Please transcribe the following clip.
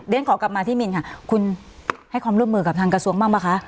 ขอกลับมาที่มินค่ะคุณให้ความร่วมมือกับทางกระทรวงบ้างป่ะคะ